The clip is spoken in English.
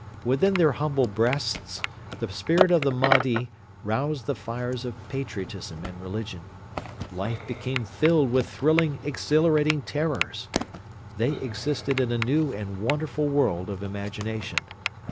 Within their humble breasts the spirit of the Mahdi roused the fires of patriotism and religion. Life became filled with thrilling, exhilarating terrors. They existed in a new and wonderful world of imagination.